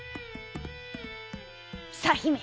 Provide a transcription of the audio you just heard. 「さあひめ。